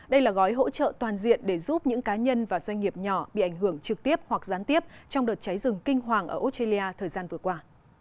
đây là gói hỗ trợ toàn diện để giúp những cá nhân và doanh nghiệp nhỏ bị ảnh hưởng trực tiếp hoặc gián tiếp trong đợt cháy rừng kinh hoàng ở australia thời gian vừa qua